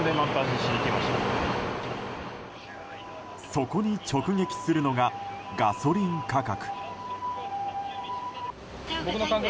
そこに直撃するのがガソリン価格。